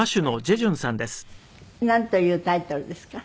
なんというタイトルですか？